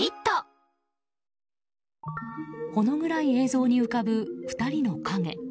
ほの暗い映像に浮かぶ２人の影。